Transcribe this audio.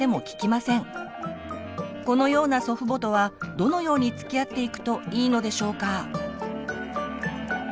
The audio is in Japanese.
このような祖父母とはどのようにつきあっていくといいのでしょうか？